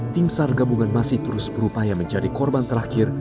tim sar gabungan masih terus berupaya menjadi korban terakhir